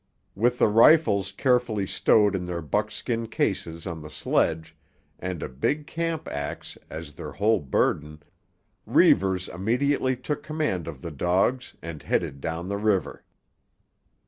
With the rifles carefully stowed in their buckskin cases on the sledge, and a big camp axe, as their whole burden, Reivers immediately took command of the dogs and headed down the river.